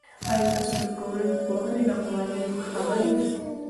آیا تاسې د ټولنپوهنې له قوانینو خبر یاست؟